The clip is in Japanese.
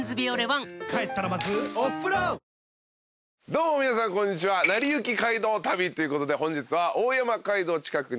どうも皆さんこんにちは『なりゆき街道旅』ということで本日は。